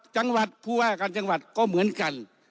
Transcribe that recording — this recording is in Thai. จังหวัดผู้ว่าการจังหวัดก็เหมือนกัน